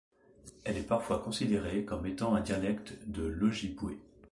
Elle est parfois considérée comme étant un dialecte de l'ojibwé.